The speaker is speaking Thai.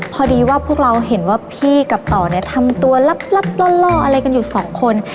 พอดีว่าพวกเราเห็นว่าพี่กับต่อเนี่ยทำตัวลับล่ออะไรกันอยู่สองคน